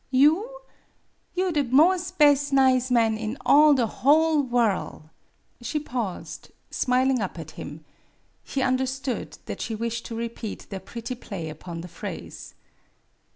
You? you the mos' bes' nize man in all the whole worl' " She paused smiling up at him. He un derstood that she wished to repeat their pretty play upon the phrase.